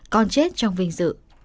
con chết trong vinh dự